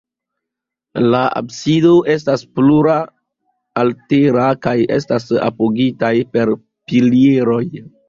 La absido estas plurlatera kaj estas apogitaj per pilieroj.